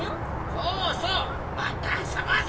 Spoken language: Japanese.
そうそうもっとあそぼうぜ！